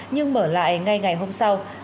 ba nhưng mở lại ngay ngày hôm sau